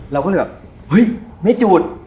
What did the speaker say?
เราก็เลยแบบเฮ้ยไม่จุด